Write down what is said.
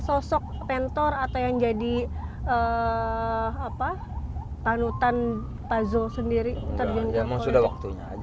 sosok mentor atau yang jadi panutan pazo sendiri terjun ke politik